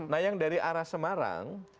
nah yang dari arah semarang